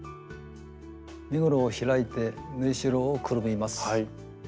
身ごろを開いて縫いしろをくるみます。